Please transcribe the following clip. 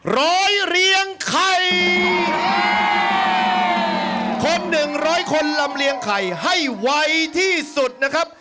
ร้อยเรียงไข่คนหนึ่งร้อยคนลำเลียงไข่ให้ไวที่สุดนะครับ